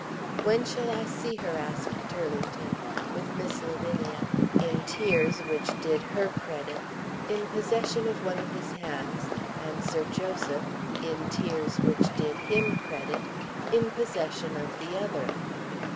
_" "When shall I see her?" asked Turlington, with Miss Lavinia (in tears which did her credit) in possession of one of his hands, and Sir Joseph (in tears which did him credit) in possession of the other.